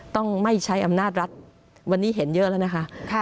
ต้องไม่ใช้อำนาจรัฐวันนี้เห็นเยอะแล้วนะคะ